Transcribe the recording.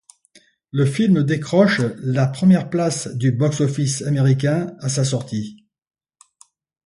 Le film décroche la première place du box-office américain à sa sortie.